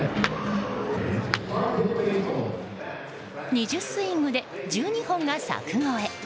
２０スイングで１２本が柵越え。